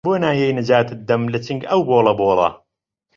بۆ نایەی نەجاتت دەم لە چنگ ئەو بۆڵە بۆڵە